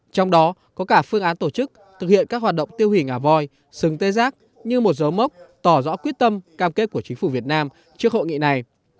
trong đó có cả phương án tổ chức thực hiện các hoạt động tiêu hủy ngà voi sừng tê giác như một dấu mốc tỏ rõ quyết tâm cam kết của chính phủ việt nam trước hội nghị này